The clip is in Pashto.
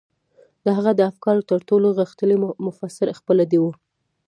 د هغه د افکارو تر ټولو غښتلی مفسر خپله دی و.